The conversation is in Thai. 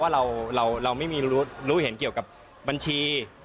ว่าเราไม่รู้เห็นเกี่ยวกับบัญชี